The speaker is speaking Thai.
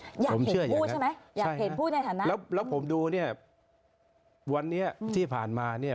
อยากเห็นพูดใช่ไหมอยากเห็นพูดในฐานะแล้วแล้วผมดูเนี่ยวันนี้ที่ผ่านมาเนี่ย